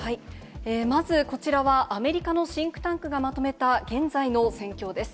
まず、こちらはアメリカのシンクタンクがまとめた現在の戦況です。